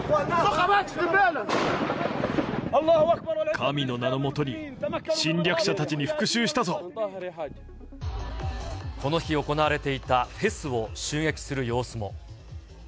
神の名の下に、侵略者たちにこの日、行われていたフェスを襲撃する様子も。